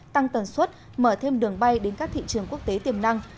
tăng tần suất mở thêm đường bay đến các thị trường quốc tế tiềm năng